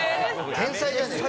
天才じゃねえか。